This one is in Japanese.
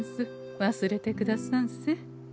忘れてくださんせ。